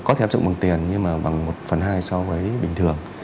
có thể áp dụng bằng tiền nhưng mà bằng một phần hai so với bình thường